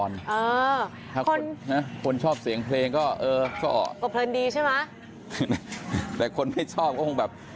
ถ้าคนคนชอบเสียงเพลงก็เออก็เพลินดีใช่ไหมแต่คนไม่ชอบก็คงแบบ